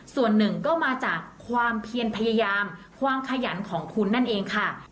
ส่วนหนึ่งก็มาจากความเพียรพยายามความขยันของคุณนั่นเองค่ะ